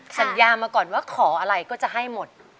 สัญญามาก่อนว่าขออะไรก็จะให้หมด